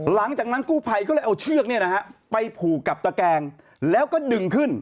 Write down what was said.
หลังจากนั้นกู้ภัยก็เลยเอาเชือกไปผูกกับตะแกงแล้วก็ดึงขึ้น